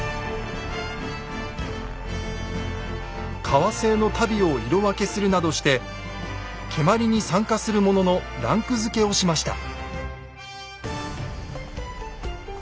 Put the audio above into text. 革製の足袋を色分けするなどして蹴鞠に参加する者のランクづけをしました。